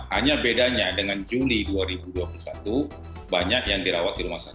hanya bedanya dengan juli dua ribu dua puluh satu banyak yang dirawat di rumah sakit